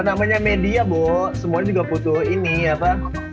namanya media boh semua juga putus ini apa